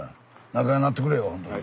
仲ようなってくれよほんとに。